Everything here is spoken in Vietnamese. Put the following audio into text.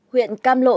huyện cam lộ